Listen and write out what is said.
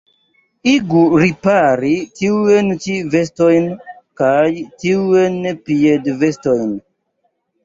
Igu ripari tiujn ĉi vestojn kaj tiujn piedvestojn.